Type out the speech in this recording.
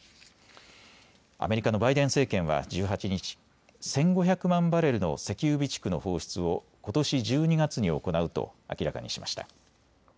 アメリカのバイデン政権は１８日、１５００万バレルの石油備蓄の放出をことし１２月に行うと明らかにしました。